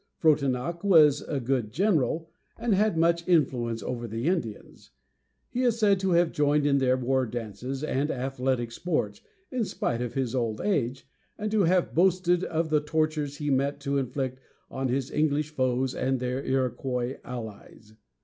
Frontenac was a good general, and had much influence over the Indians. He is said to have joined in their war dances and athletic sports, in spite of his old age, and to have boasted of the tortures he meant to inflict on his English foes and their Iroquois allies.